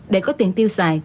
để có tiền tiêu xài